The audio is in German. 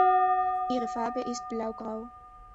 Ihre Farbe ist blaugrau.